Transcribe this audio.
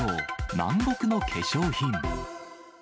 南国の化粧品。